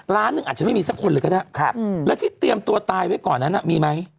และที่เตรียมตัวตายเว้อก่อนนั้นมีมั้ย